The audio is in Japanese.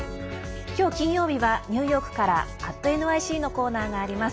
今日金曜日は、ニューヨークから「＠ｎｙｃ」のコーナーがあります。